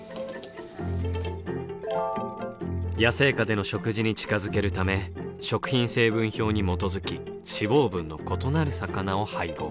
野生下での食事に近づけるため食品成分表に基づき脂肪分の異なる魚を配合。